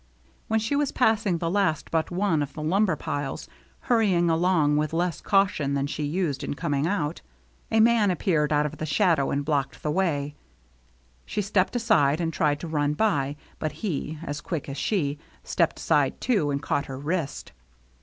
When she was passing the last but one of the lumber piles, hurrying along with less caution than she had used in coming out, a man appeared out of the shadow and blocked the way. She stepped aside and tried to run by, but he, as quick as she, stepped aside too and caught her wrist.